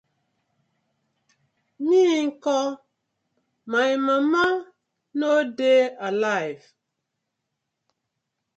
Mi nko, my mama no dey alife?